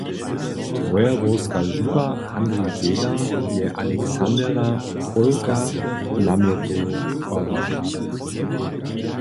Wojerowska župa "Handrij Zejler" je Alexandera Pólka namjetowała.